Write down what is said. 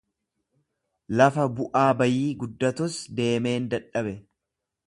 Lafa bu'aa bayii guddatus deemeen dadhabe.